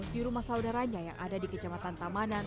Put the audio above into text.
di rumah saudaranya yang ada di kecamatan tamanan